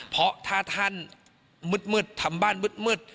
เพราะถ้าท่านมืดทำบ้านมืด